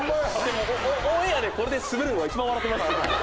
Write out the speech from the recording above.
オンエアでこれでスベるのが一番笑けます。